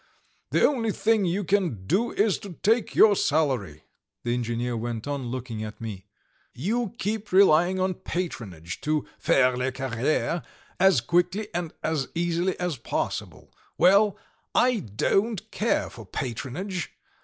The only thing you can do is to take your salary," the engineer went on, looking at me; "you keep relying on patronage to faire le carrière as quickly and as easily as possible. Well, I don't care for patronage.